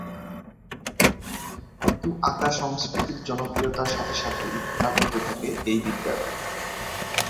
কিন্তু আঁকা সংস্কৃতির জনপ্রিয়তার সাথে সাথেই ভাটা পড়তে থাকে এই বিদ্যার।